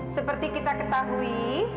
seperti kita ketahui